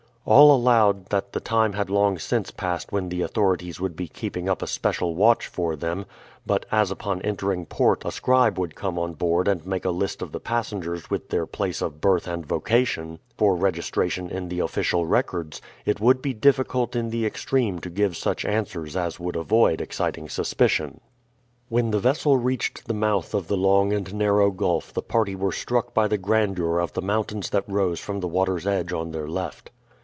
All allowed that the time had long since passed when the authorities would be keeping up a special watch for them; but as upon entering port a scribe would come on board and make a list of the passengers with their place of birth and vocation, for registration in the official records, it would be difficult in the extreme to give such answers as would avoid exciting suspicion. When the vessel reached the mouth of the long and narrow gulf the party were struck by the grandeur of the mountains that rose from the water's edge on their left.